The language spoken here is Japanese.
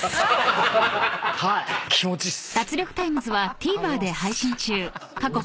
気持ちいいっす。